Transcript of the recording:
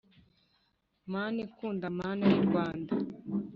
mana ikunda, mana y' i rwanda